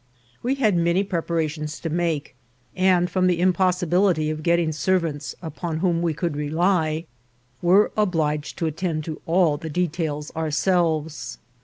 We had many prep arations to make, and, from the impossibility of getting servants upon whom we could rely, were obliged to attend to all the details ourselves.